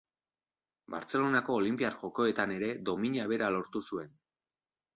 Bartzelonako Olinpiar Jokoetan ere domina bera lortu zuen.